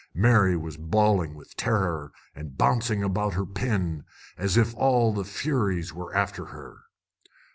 Mary was bawling with terror, and bouncing about in her pen as if all the furies were after her.